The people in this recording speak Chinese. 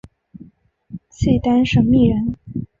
契丹审密人。